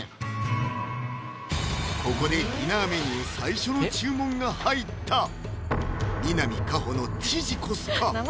ここでディナーメニュー最初の注文が入った南果歩のチヂコスか？